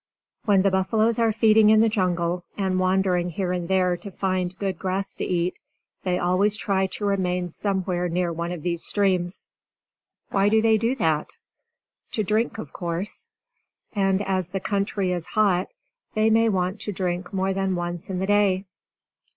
When the buffaloes are feeding in the jungle, and wandering here and there to find good grass to eat, they always try to remain somewhere near one of these streams. Why do they do that? To drink, of course. [Illustration: The Buffalo that lives in India] And as the country is hot, they may want to drink more than once in the day.